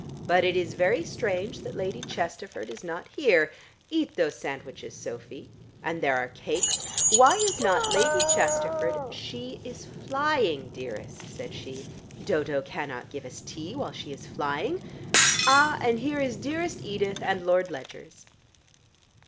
But it is very strange that Lady Chesterford is not here. Eat those sandwiches, Sophy. And there are cakes. Why is not Lady Chesterford " "She is flying, dearest," said she. "Dodo cannot give us tea while she is flying. Ah, and here is dearest Edith and Lord Ledgers."